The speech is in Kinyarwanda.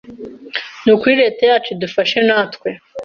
Ni ukuri Leta yacu idufashe natwe